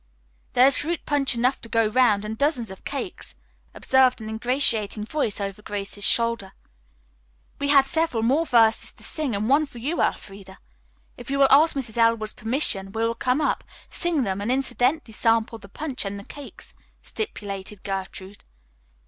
"There is fruit punch enough to go round, and dozens of cakes," observed an ingratiating voice over Grace's shoulder. "We had several more verses to sing, and one for you, Elfreda. If you will ask Mrs. Elwood's permission, we will come up, sing them and incidentally sample the punch and the cakes," stipulated Gertrude.